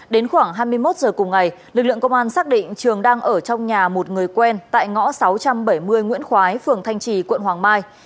đến khoảng hai mươi một h cùng ngày lực lượng công an xác định trường đang ở trong nhà một người quen tại ngõ sáu trăm bảy mươi nguyễn khoái phường thanh trì quận hoàng mai